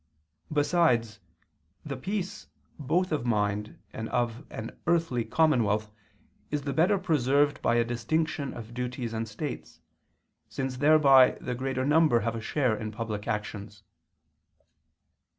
Besides, the peace both of mind and of an earthly commonwealth is the better preserved by a distinction of duties and states, since thereby the greater number have a share in public actions.